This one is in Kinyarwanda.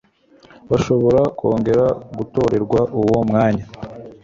Bashobora kongera gutorerwa uwo mwanya